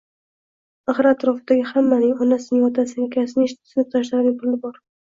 axir atrofidagi hammaning – onasining, otasining, akasining, sinfdoshlarining puli bor;